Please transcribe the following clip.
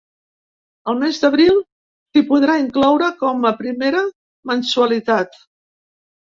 El mes d’abril s’hi podrà incloure com a primera mensualitat.